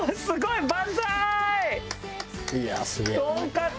すごい。